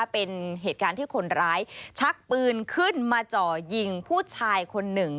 เป็นเหตุการณ์ที่คนร้ายชักปืนขึ้นมาจ่อยิงผู้ชายคนหนึ่ง